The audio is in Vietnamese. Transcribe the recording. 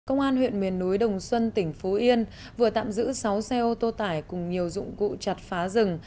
công an huyện miền núi đồng xuân tỉnh phú yên vừa tạm giữ sáu xe ô tô tải cùng nhiều dụng cụ chặt phá rừng